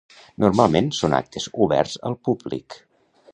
Normalment són actes oberts al públic.